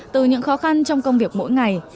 từ những khó khăn trong công việc mỗi ngày